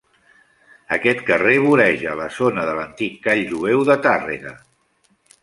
Aquest carrer voreja la zona de l'antic call jueu de Tàrrega.